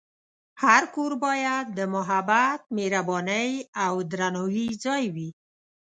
هر کور باید د محبت، مهربانۍ، او درناوي ځای وي.